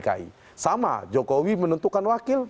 pertama jokowi menentukan wakil